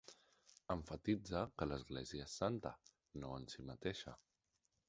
Emfatitza que l'Església és santa, no en si mateixa.